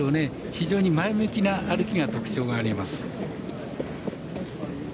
非常に前向きな歩きが特徴があります。